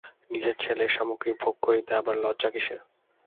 নিজের ছেলের সামগ্রী ভোগ করিতে আবার লজ্জা কিসের।